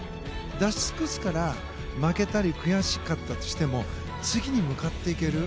出し尽くすから負けたり悔しかったとしても次に向かっていける。